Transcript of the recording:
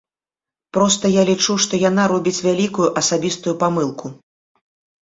Проста я лічу, што яна робіць вялікую асабістую памылку.